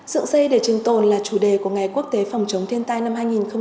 dựng xây để trình tồn là chủ đề của ngày quốc tế phòng chống thiên tai năm hai nghìn một mươi chín